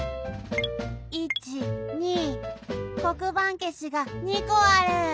１２こくばんけしが２こある！